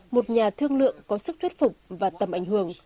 một nhà thương lượng có sức thuyết phục và tầm ảnh hưởng